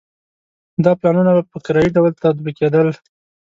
دا پلانونه په کرایي ډول تطبیقېدل.